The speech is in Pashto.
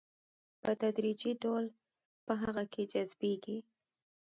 په تدريجي ډول په هغه کې جذبيږي.